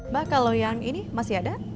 bakal lo yang ini masih ada